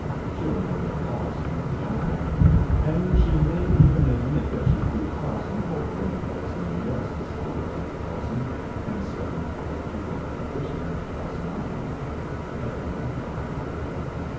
She'll know that Carlson was the Eye. And she may even admit that she threw Carlson over and helped somebody else dispose of Carlson and step into the lucrative position which Carlson occupied as the Eye."